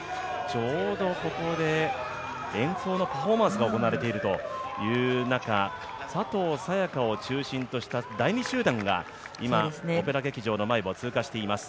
ちょうどここで演奏のパフォーマンスが行われている中、佐藤早也伽を中心とした第二集団が今、オペラ劇場の前を通過しています。